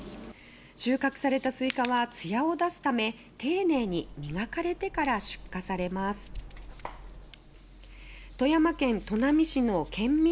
収穫されたスイカはつやを出すため丁寧に磨かれてから出荷されあす市場で初競りにかけられます。